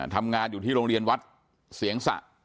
ทำงานอยู่ที่โรงเรียนวัดเสียงสะ